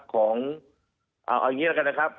ของเอาอย่างนี้แล้วกันนะครับ